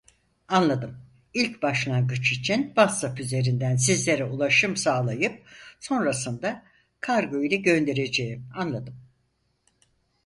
Anladım ilk başlangıç için Whatsapp üzerinden sizlere ulaşım sağlayıp sonrasında kargo ile göndereceğim anladım